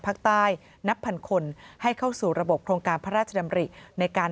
ภาคใต้นับพันคนให้เข้าสู่ระบบโครงการพระราชดำริในการ